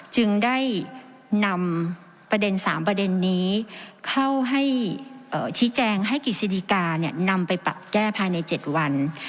จึงได้นำประเด็น๓ประเด็นนี้เข้าให้ชี้แจงให้กฤษฎิกานำไปปรับแก้ภายใน๗วัน